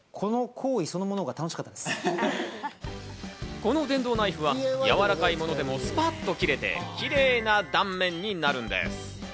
この電動ナイフは、やわらかいものでもスパッと切れて、キレイな断面になるんです。